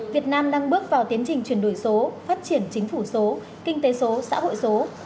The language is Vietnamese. việt nam đang bước vào tiến trình chuyển đổi số phát triển chính phủ số kinh tế số xã hội số